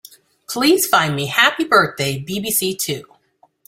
Please find me Happy Birthday BBC Two.